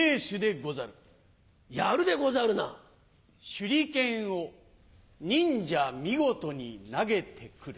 手裏剣を忍者見事に投げてくる。